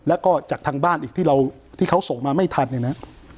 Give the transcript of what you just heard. แล้วก็จากทางบ้านอีกที่เราที่เขาส่งมาไม่ทันเนี่ยนะ